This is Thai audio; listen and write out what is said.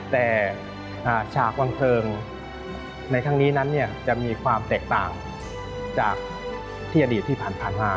แต่ฉากวางเพลิงในครั้งนี้นั้นจะมีความแตกต่างจากที่อดีตที่ผ่านมา